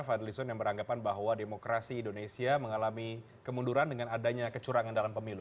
fadlizon yang beranggapan bahwa demokrasi indonesia mengalami kemunduran dengan adanya kecurangan dalam pemilu